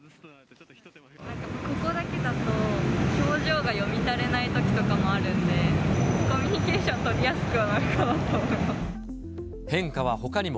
ここだけだと表情が読み取れないときとかもあるんで、コミュニケーション取りやすくはなるか変化はほかにも。